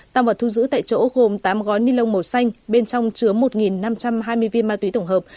tăng vật thu giữ tại chỗ gồm tám gói ni lông màu xanh bên trong chứa một năm trăm hai mươi viên ma túy tổng hợp